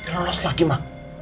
lo kan harus lagi mak